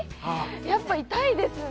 やっぱ痛いですね。